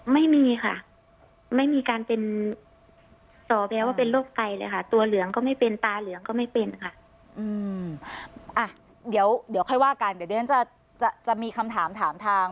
ไม่มีค่ะไม่มีการเป็นต่อแปลว่าเป็นโรคไตเลยค่ะตัวเหลืองก็ไม่เป็นตาเหลืองก็ไม่เป็นค่ะอ่ะเดี๋ยวเดี๋ยวค่อยว่ากันเดี๋ยวฉันจะมีคำถามถามทาง